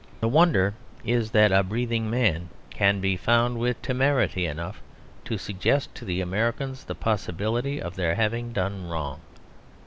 The wonder is that a breathing man can be found with temerity enough to suggest to the Americans the possibility of their having done wrong.